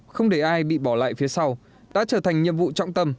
không để ai bị bỏ lại phía sau đã trở thành nhiệm vụ trọng tâm